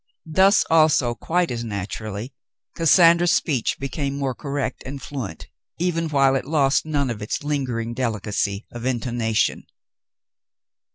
Thus, also, quite as naturally, Cassandra's speech became more correct and fluent, even while it lost none of its lingering delicacy of intonation.